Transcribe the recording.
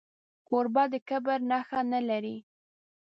کوربه د کبر نښه نه لري.